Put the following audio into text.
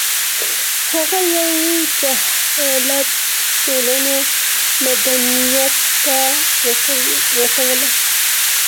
هغه یوه جاهله ټولنه مدنیت ته ورسوله.